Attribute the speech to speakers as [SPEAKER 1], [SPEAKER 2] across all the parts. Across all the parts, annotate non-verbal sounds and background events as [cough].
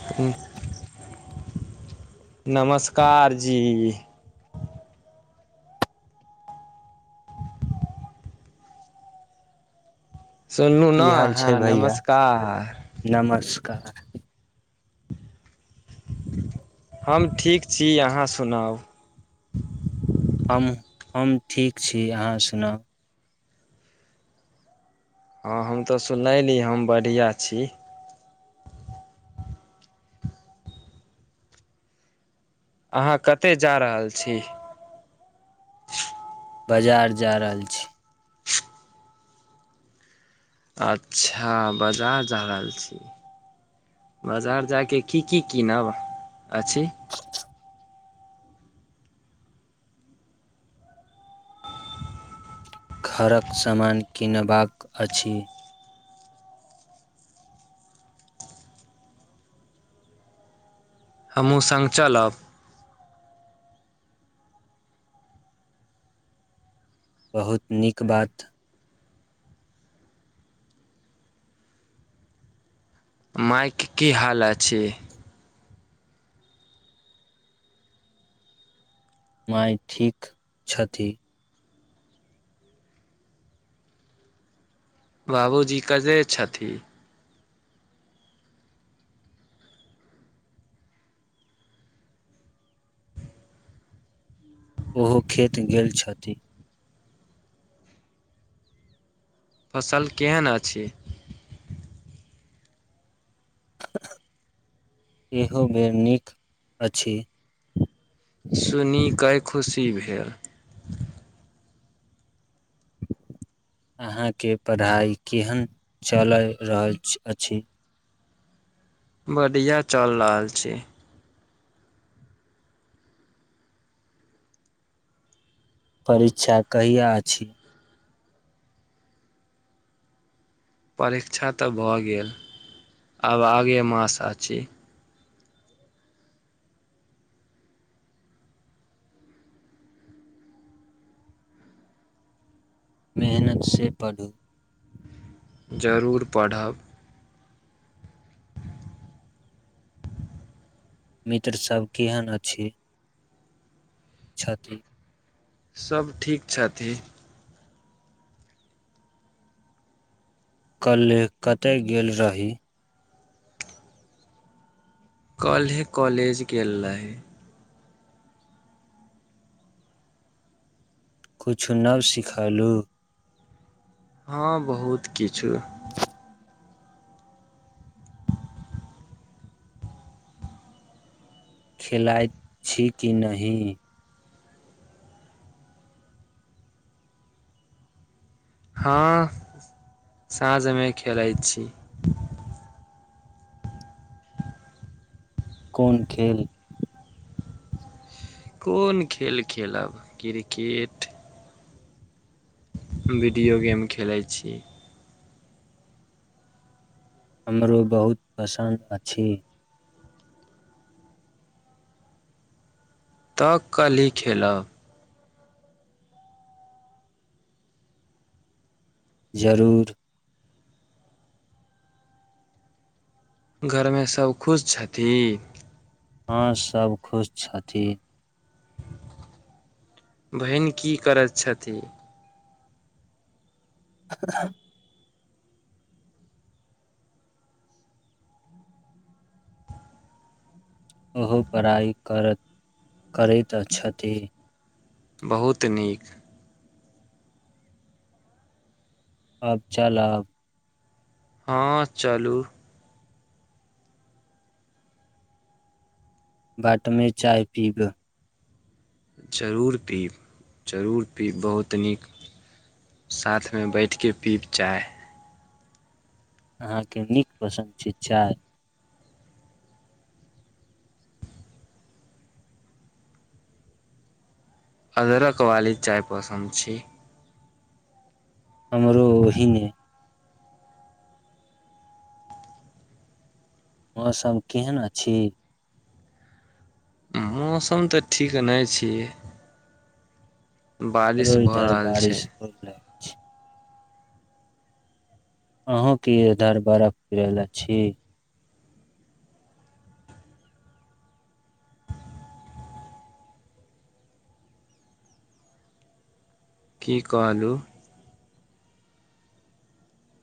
[SPEAKER 1] [unintelligible] नमस्कार जी सुनलुॅ
[SPEAKER 2] की
[SPEAKER 1] नऽ
[SPEAKER 2] हाल
[SPEAKER 1] हँ
[SPEAKER 2] छै भैया
[SPEAKER 1] नमस्कार
[SPEAKER 2] नमस्कार
[SPEAKER 1] हम ठीक छी अहाँ सुनाउ
[SPEAKER 2] हम हम ठीक छी अहाँ सुनाउ
[SPEAKER 1] हँ हम तऽ सुनैली हम बढ़िआँ छी अहाँ कतय जा रहल छी
[SPEAKER 2] बाजार जा रहल छी
[SPEAKER 1] अच्छा बाजार जा रहल छी बजार जायके की की कीनब अछि
[SPEAKER 2] [unintelligible] घरक समान किनबाक अछि
[SPEAKER 1] हमहूँ सांग चलब
[SPEAKER 2] बहुत नीक बात
[SPEAKER 1] माय के की हाल अच्छे
[SPEAKER 2] माय ठीक छथि
[SPEAKER 1] बाबूजी कते छथिन
[SPEAKER 2] ओहो खेत गेल छथि
[SPEAKER 1] फसल केहन अछि
[SPEAKER 2] एहो बेर नीक अछि
[SPEAKER 1] सुनी कऽ खुशी भेल
[SPEAKER 2] अहाँ के पढ़ाइ केहन चलय रहल अछि
[SPEAKER 1] बढ़िया चल रहल छी
[SPEAKER 2] परीक्षा कहिया अछी।
[SPEAKER 1] परीक्षा तऽ भऽ गेल आब आगे मास आछी
[SPEAKER 2] मेहनत से पढ़ू
[SPEAKER 1] जरूर पढ़ब
[SPEAKER 2] मित्र सब केहन अछि छथिन
[SPEAKER 1] सब ठीक छथि
[SPEAKER 2] कल्है कतय गेल रही
[SPEAKER 1] कल्हे कॉलेज गेल रहि।
[SPEAKER 2] किछु नव सिखलहु
[SPEAKER 1] हँ बहुत किछु
[SPEAKER 2] खेलाइत छी कि नहि
[SPEAKER 1] हँ साँझ मे खेलैत छी।
[SPEAKER 2] कोन खेल।
[SPEAKER 1] कोन खेल खेलब क्रिकेट। वीडियो गेम खेलै छी।
[SPEAKER 2] हमरो बहुत पसन्द अछि।
[SPEAKER 1] तऽ कल्हिी खेलब।
[SPEAKER 2] जरूर।
[SPEAKER 1] घर मे सभ खुश छथिन।
[SPEAKER 2] हँ सब खुश छथि।
[SPEAKER 1] बहिन की करैत छथिन।
[SPEAKER 2] [unintelligible] ओहो पढ़ाइ करैत करैत छथि।
[SPEAKER 1] बहुत नीक।
[SPEAKER 2] आब चलब।
[SPEAKER 1] हँ चलू।
[SPEAKER 2] बट मे चाय पीबऽ।
[SPEAKER 1] जरूर पीब जरूर पीब बहुत नीक। साथमे बैठि कऽ पीब चाह।
[SPEAKER 2] अहाँके नीक पसन्द छै। चाय।
[SPEAKER 1] अदरक वाली चााय पसन्द छी।
[SPEAKER 2] हमर ही ने मौसम केहन अछि।
[SPEAKER 1] मौसम तऽ ठीक नै छि।
[SPEAKER 2] रोज
[SPEAKER 1] भऽ
[SPEAKER 2] धर
[SPEAKER 1] रहल छै
[SPEAKER 2] बारिश होलोल। अहूँ की इधर बरफ [unintelligible] अछि।
[SPEAKER 1] की कहलु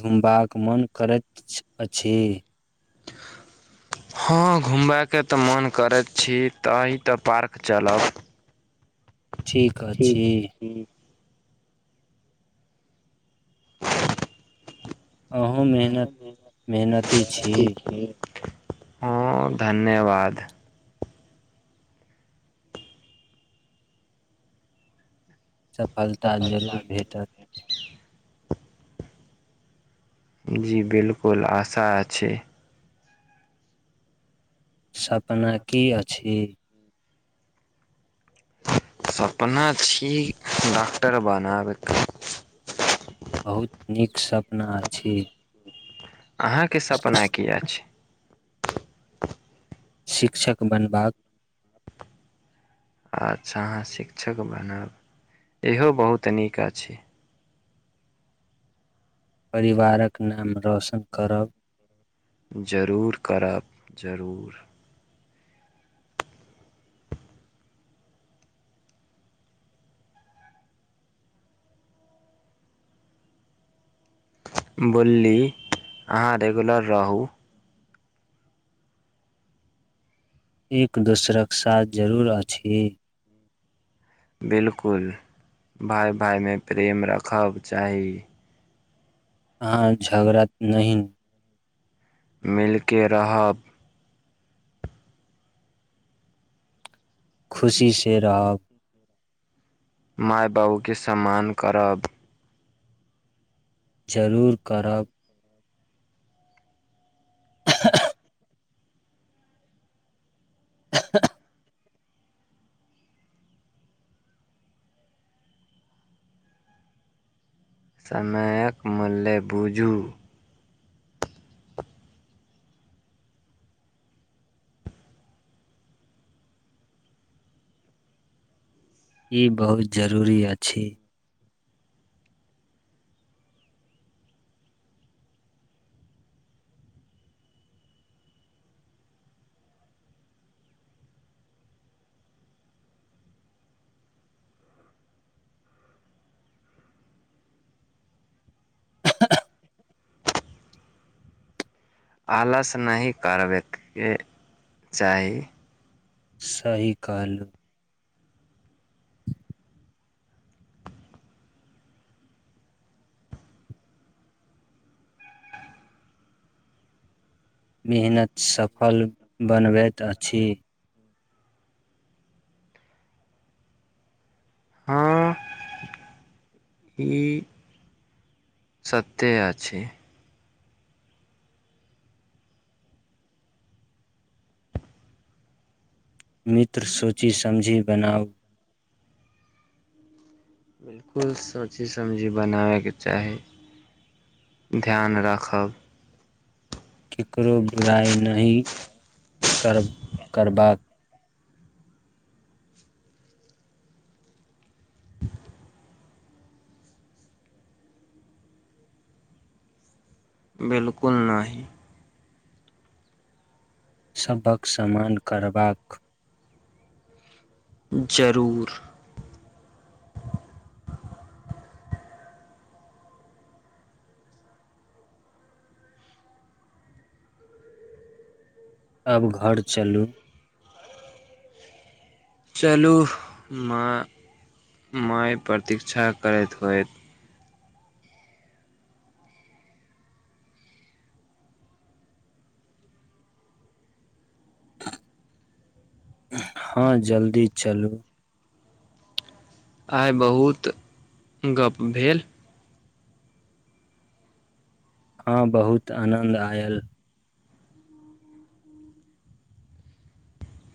[SPEAKER 2] घुमबा कऽ मोन करैत अछि। [inaudible]
[SPEAKER 1] हऽ घुमबा केँ तऽ मोन करैत छी तै तऽ पार्क चलब
[SPEAKER 2] ठीक।
[SPEAKER 1] ठीक है
[SPEAKER 2] अछि,
[SPEAKER 1] ठीक।
[SPEAKER 2] अहूँ मेहनत मेहनती छी।
[SPEAKER 1] [unintelligible] हु धन्यवाद।
[SPEAKER 2] सफलता जरूर भेटत।
[SPEAKER 1] जी बिल्कुल आशा अछी।
[SPEAKER 2] सपना की अछि।
[SPEAKER 1] सपना छी डॉक्टर बनाब।
[SPEAKER 2] बहुत नीक सपना अछी।
[SPEAKER 1] अहाँकेँ सपना की अछ।
[SPEAKER 2] शिक्षक बनबाक।
[SPEAKER 1] अच्छा अहाँ शिक्षक बनब इहो बहुत नीक अछि।
[SPEAKER 2] परिवार कऽ नाम रौशन करब।
[SPEAKER 1] जरूर करब जरूर। बुल्ली अहाँ रेगुलर रहू।
[SPEAKER 2] एक दोसरक साथ जरूर अछि।
[SPEAKER 1] बिल्कुल भाय में प्रेम रखब चाही।
[SPEAKER 2] अहाँ झगड़ा नै
[SPEAKER 1] मिल केँ रहब।
[SPEAKER 2] खुशी से रहब।
[SPEAKER 1] मैय बाबू केँ सम्मान करब।
[SPEAKER 2] जरूर करब [unintelligible] [unintelligible]
[SPEAKER 1] समेयक मूल्य बुझू
[SPEAKER 2] ई बहुत जरूरी अछि
[SPEAKER 1] आलस नहीं करबै केँ चाही
[SPEAKER 2] सही कहलु मेहनत सफल बनबैत अछि
[SPEAKER 1] [unintelligible] ई [inaudible] सत्य अछि
[SPEAKER 2] मित्र सोचि समझी बनाउ
[SPEAKER 1] बिल्कुल सोची समझी बनाबै केँ चाही ध्यान राखब
[SPEAKER 2] ककरो बुराइ नहीं [inaudible] कर करबाक
[SPEAKER 1] बिल्कुल नहीं
[SPEAKER 2] सभ हक समान करबाक
[SPEAKER 1] जरूर
[SPEAKER 2] अब घर चलू
[SPEAKER 1] चलू मा माय प्रतीक्षा करैत होइत
[SPEAKER 2] हँ जल्दी चलू
[SPEAKER 1] आइ बहुत गप भेल
[SPEAKER 2] हँ बहुत आनन्द आयल।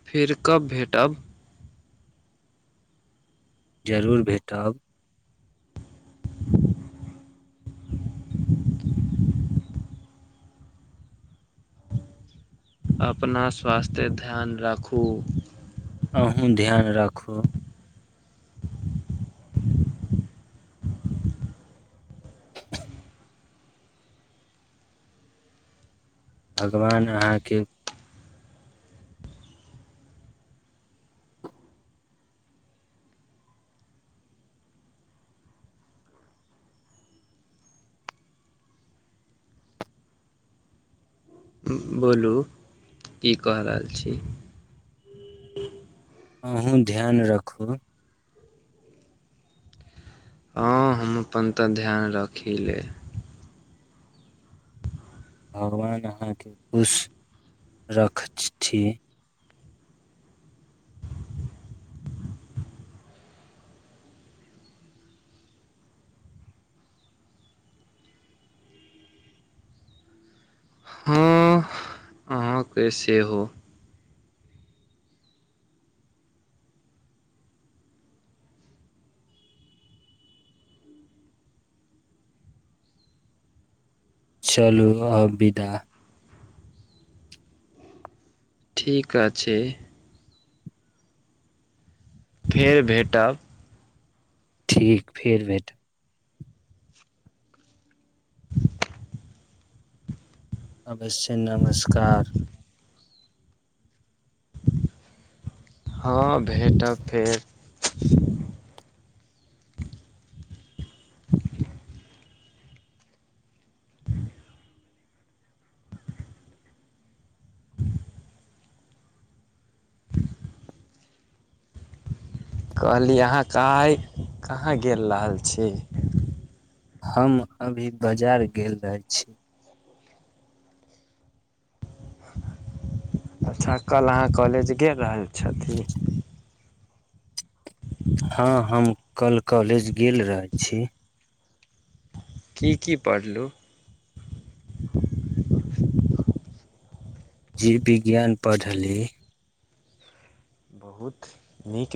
[SPEAKER 1] फेर कब भेटब?
[SPEAKER 2] जरूर भेटब।
[SPEAKER 1] अपना स्वास्थ्ये ध्यान राखू।
[SPEAKER 2] अहूँ ध्यान राखू। भगवान अहाँके
[SPEAKER 1] बोलू की क रहल छी
[SPEAKER 2] अहूँ ध्यान रखू
[SPEAKER 1] हँ हम अपन तऽ ध्यान रखी लेल
[SPEAKER 2] भगवान अहाँ के खुश रखथि
[SPEAKER 1] अहाँ के सेहो
[SPEAKER 2] चलू अ विदा
[SPEAKER 1] ठीक अछि फेर भेटब
[SPEAKER 2] ठीक फेर भेटब अवश्य नमस्कार
[SPEAKER 1] हँ भेटब फेर कहली अहाँ कइ कहाँ गेल रहल छी
[SPEAKER 2] हम अभी बाजार गेल रहे छी
[SPEAKER 1] अच्छा कल अहाँ कॉलेज गेल रहल छथिन
[SPEAKER 2] हँ हम कल कॉलेज गेल रह छी
[SPEAKER 1] की की पढ़ लहुँ
[SPEAKER 2] जीव विज्ञान पढ़ली
[SPEAKER 1] बहुत नीक